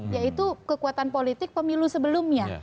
yaitu kekuatan politik pemilu sebelumnya